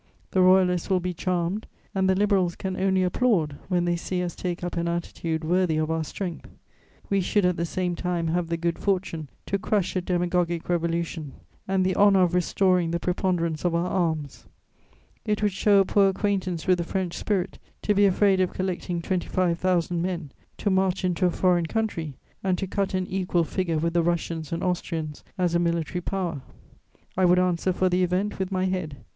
The Royalists will be charmed and the Liberals can only applaud when they see us take up an attitude worthy of our strength. We should at the same time have the good fortune to crush a demagogic revolution and the honour of restoring the preponderance of our arms. It would show a poor acquaintance with the French spirit to be afraid of collecting twenty five thousand men to march into a foreign country and to cut an equal figure with the Russians and Austrians as a military power. I would answer for the event with my head.